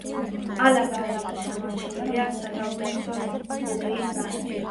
ალაგ-ალაგ შემორჩენილია სათავდაცვო ზღუდის ნაშთი.